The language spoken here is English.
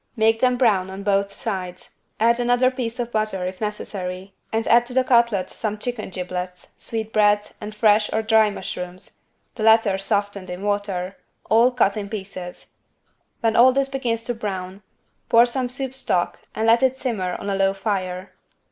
Make them brown on both sides, add another piece of butter, if necessary, and add to the cutlets some chicken giblets, sweetbreads and fresh or dry mushrooms (the latter softened in water), all cut in pieces. When all this begins to brown, pour some soup stock and let it simmer on a low fire.